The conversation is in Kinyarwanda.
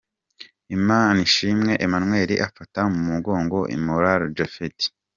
Imanishimwe Emmanuel afata mu mugongo Imurora Japhet.